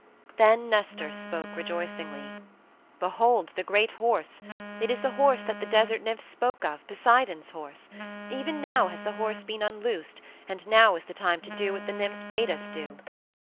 Then Nestor spoke rejoicingly. "Behold the great horse! It is the horse that the desert nymphs spoke of, Poseidon's horse. Even now has the horse been unloosed, and now is the time to do what the nymphs bade us do.